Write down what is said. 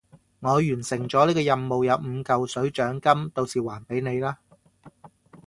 我完成咗呢個任務有五嚿水獎金，到時還俾你啦